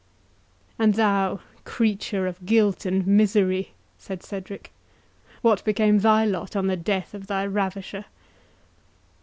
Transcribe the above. "And thou, creature of guilt and misery," said Cedric, "what became thy lot on the death of thy ravisher?"